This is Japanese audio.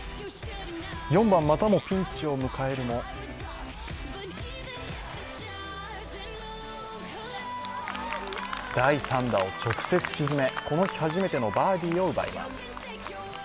４番、またもピンチを迎えるも第３打を直接沈め、この日初めてのバーディーを奪います。